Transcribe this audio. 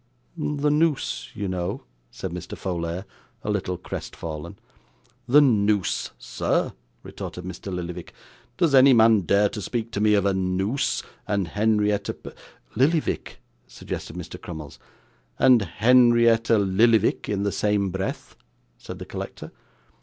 'The noose, you know,' said Mr. Folair, a little crest fallen. 'The noose, sir?' retorted Mr. Lillyvick. 'Does any man dare to speak to me of a noose, and Henrietta Pe ' 'Lillyvick,' suggested Mr. Crummles. ' And Henrietta Lillyvick in the same breath?' said the collector.